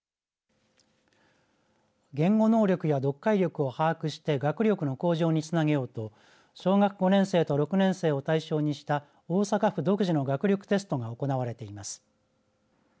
言語能力や読解力を把握して学力の向上につなげようと小学５年生と６年生を対象にした大阪府独自の学力テストが行なわれています。